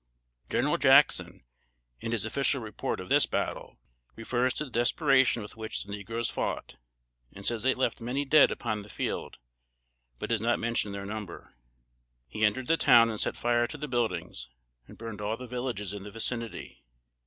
General Jackson, in his official report of this battle, refers to the desperation with which the negroes fought, and says they left many dead upon the field, but does not mention their number. He entered the town and set fire to the buildings, and burned all the villages in the vicinity.